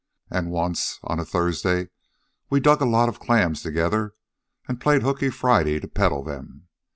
An' once, on a Thursday, we dug a lot of clams together, an' played hookey Friday to peddle them.